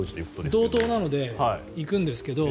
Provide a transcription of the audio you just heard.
道東なので行くんですけど